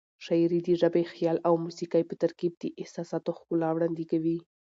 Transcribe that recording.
شاعري د ژبې، خیال او موسيقۍ په ترکیب د احساساتو ښکلا وړاندې کوي.